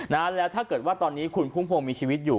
นะแล้วถ้าเกิดว่าตอนนี้คุณพุ่มพวงมีชีวิตอยู่